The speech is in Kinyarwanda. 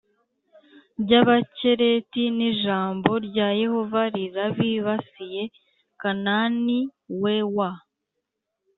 ry Abakereti n Ijambo rya Yehova rirabibasiye Kanani we wa